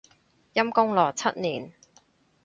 陰功咯，七年